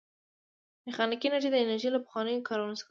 میخانیکي انجنیری د انجنیری له پخوانیو کارونو څخه ده.